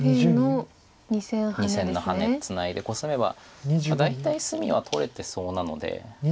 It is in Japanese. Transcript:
２線のハネツナいでコスめば大体隅は取れてそうなので。